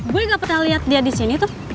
gue gak pernah lihat dia di sini tuh